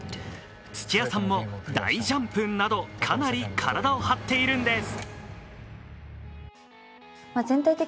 土屋さんも大ジャンプなどかなり体を張っているんです。